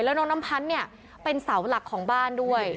แล้วน้องน้ำพันธ์เนี่ยเป็นเสาหลักของบ้านด้วย